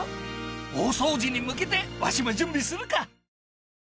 大掃除に向けてわしも準備するか！